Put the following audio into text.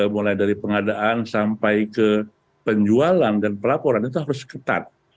mulai dari pengadaan sampai ke penjualan dan pelaporan itu harus ketat